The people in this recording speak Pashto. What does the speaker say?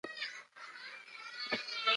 هر انسان باید خپل ځان په بشپړ ډول وپیژني.